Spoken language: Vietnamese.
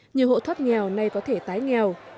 nhiều hộ thất nghèo nay có thể tái nghèo